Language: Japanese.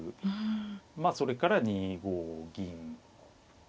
まあそれから２五銀。